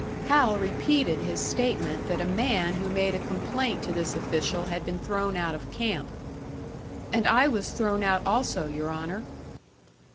Hal repeated his statement that a man who made a complaint to this official had been thrown out of camp. "And I was thrown out also, your Honour."